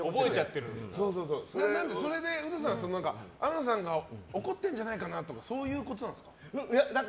それでウドさん、天野さんが怒ってるんじゃないかなとかそういうことなんですか？